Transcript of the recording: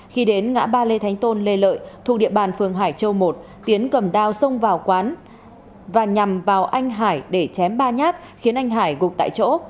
khi đến ngã ba lê thánh tôn lê lợi thuộc địa bàn phường hải châu một tiến cầm đao xông vào quán và nhằm vào anh hải để chém ba nhát khiến anh hải gục tại chỗ